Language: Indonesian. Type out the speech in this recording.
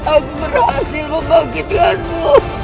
aku berhasil membangkitkanmu